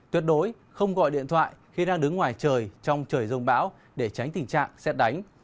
tuyệt đối không gọi điện thoại khi đang đứng ngoài trời trong trời dông bão để tránh tình trạng xét đánh